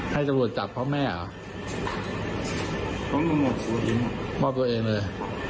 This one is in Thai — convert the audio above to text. ให้ตำรวจจับพ่อแม่อ่ะต้องมอบตัวเองมอบตัวเองเลย